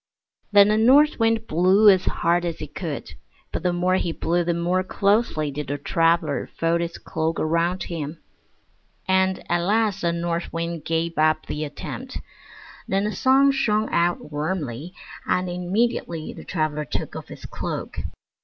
Then the North Wind blew as hard as he could, but the more he blew the more closely did the traveler fold his cloak around him; and at last the North Wind gave up the attempt. Then the Sun shined out warmly, and immediately the traveler took off his cloak.